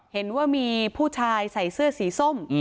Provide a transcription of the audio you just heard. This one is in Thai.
เห็นว่ามีผู้ชายใส่เสื้อสีส้ม